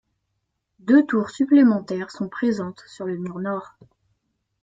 Deux tours supplémentaires sont présentes sur le mur nord.